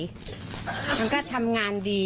แล้วก็ทำงานดี